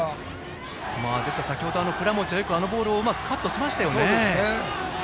先程、倉持はよくあのボールをうまくカットしましたよね。